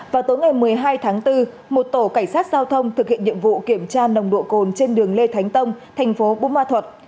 vào tối ngày một mươi hai tháng bốn một tổ cảnh sát giao thông thực hiện nhiệm vụ kiểm tra nồng độ cồn trên đường lê thánh tông thành phố bù ma thuật